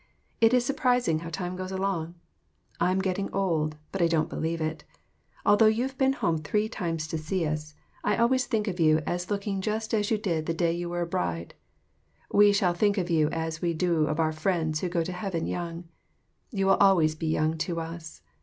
It is surprising how time goes along. I'm getting old, but I don't believe it. Although you've been home three times to see us, I always think of you 2 AUNT HANNAH S LETTER TO HER SISTER. as looking just as you did the day you were a bride. We shall think of you as we do of our friends who go to heaven young. You will always be young to us.